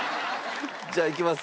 じゃあいきます。